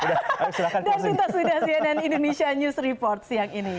dan kita sudah cnn indonesia news report siang ini